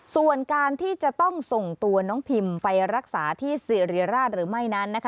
ส่วนการที่จะต้องส่งตัวน้องพิมไปรักษาที่สิริราชหรือไม่นั้นนะคะ